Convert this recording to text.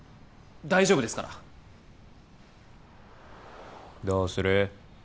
大丈夫ですからどうする？